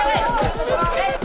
udah gak usah gue aja